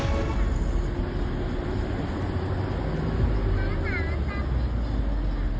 สวัสดีครับคุณผู้ชาย